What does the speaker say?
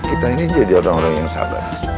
kita ini jadi orang orang yang sabar